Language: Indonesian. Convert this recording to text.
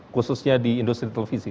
khususnya di industri televisi